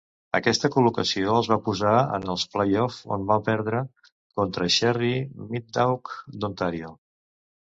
Aquesta col·locació els va posar en els playoffs, on va perdre contra Sherry Middaugh d'Ontario.